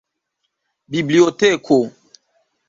biblioteko